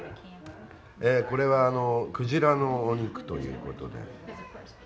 これはクジラのお肉という事で。